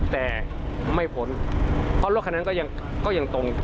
แต่ไม่พ้นเพราะรถคันนั้นก็ยังตรง